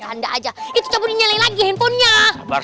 anda ajak turkey nyari lagi handphonenya baru